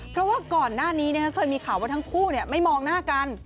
เพราะว่าก่อนหน้านี้เคยมีข่าวว่าทั้งคู่ไม่มองหน้ากัน